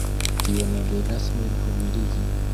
Tio ne devas min humiligi!